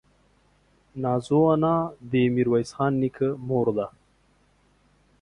نازو انا دې ميرويس خان نيکه مور ده.